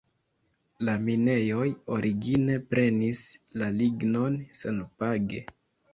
La minejoj origine prenis la lignon senpage.